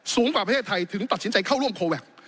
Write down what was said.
สูงกว่าประเทศไทยถึงตัดสินใจเข้าร่วมโคแวค